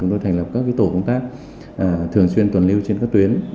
tôi thành lập các tổ công tác thường xuyên tuần lưu trên các tuyến